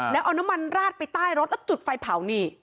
แล้วเอาน้ำมันราดไปใต้รถแล้วจุดไฟเผานี่